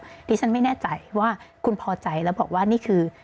ดิฉันไม่แน่ใจว่าคุณพอใจแล้วบอกว่านี่คือ